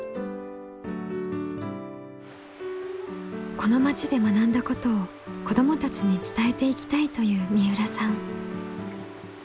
この町で学んだことを子どもたちに伝えていきたいという三浦さん。